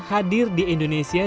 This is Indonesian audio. hadir di indonesia